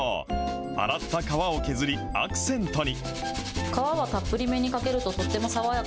洗った皮を削り、アクセントに。